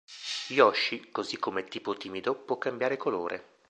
Yoshi, così come Tipo Timido, può cambiare colore.